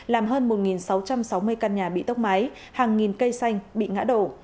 làm hơn một sáu trăm sáu mươi căn nhà bị tốc máy hàng nghìn cây xanh bị ngã đổ